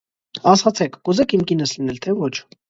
ասացեք, կուզե՞ք իմ կինս լինել, թե ոչ: